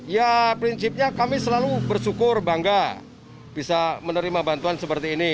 ya prinsipnya kami selalu bersyukur bangga bisa menerima bantuan seperti ini